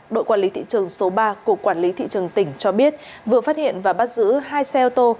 đội quản lý thị trường số ba của quản lý thị trường tỉnh cho biết vừa phát hiện và bắt giữ hai xe ô tô